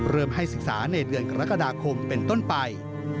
ให้ศึกษาในเดือนกรกฎาคมเป็นต้นไป